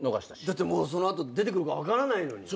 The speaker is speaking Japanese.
だってもうその後出てくるか分からないのに。